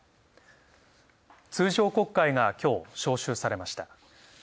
通常国会がきょう招集されました。